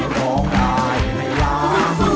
ร้องได้ให้ล้าน